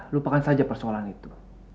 lupakan saja persoalan itu